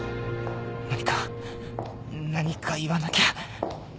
何か何か言わなきゃ